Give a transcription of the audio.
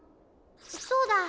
そうだ！